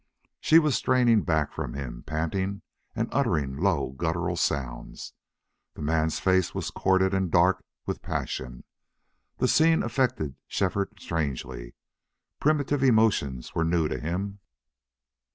She was straining back from him, panting, and uttering low guttural sounds. The man's face was corded and dark with passion. This scene affected Shefford strangely. Primitive emotions were new to him.